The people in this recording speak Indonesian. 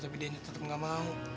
tapi dia tetep gak mau